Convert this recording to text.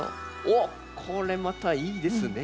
おっこれまたいいですね。